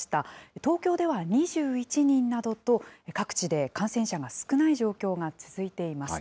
東京では２１人などと、各地で感染者が少ない状況が続いています。